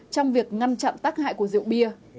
trong việc ngăn chặn tác hại của rượu bia